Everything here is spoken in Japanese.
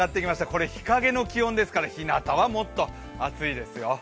これ日陰の気温ですから、ひなたはもっと暑いですよ。